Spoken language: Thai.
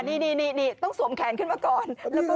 นี่ต้องสวมแขนขึ้นมาก่อน